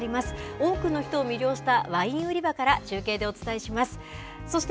多くの人を魅了したワイン売り場から中継でお伝えします。